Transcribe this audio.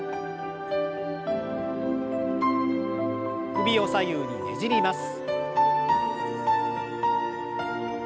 首を左右にねじります。